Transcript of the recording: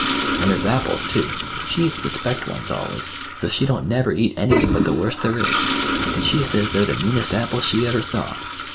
An' there's apples, too. She eats the specked ones always; so she don't never eat anything but the worst there is. An' she says they're the meanest apples she ever saw.